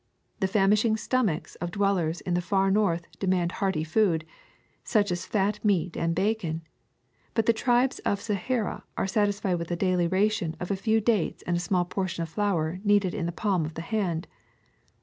The famishing stomachs of dwellers in the far North demand hearty food, such as fat meat and bacon ; but the tribes of Sahara are satisfied with a daily ration of a few dates and a small portion of flour kneaded in the palm of the hand.